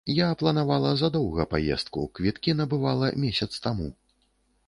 Я планавала задоўга паездку, квіткі набывала месяц таму.